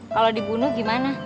kalau dibunuh gimana